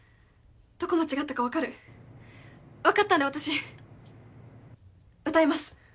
どこ間違ったか分かる分かったんで私歌えます